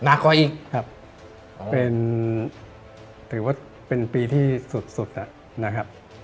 หนักอีกครับเหมือนปีที่สุดนะครับ